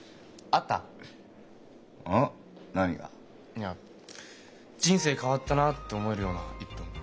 いや人生変わったなって思えるような１分。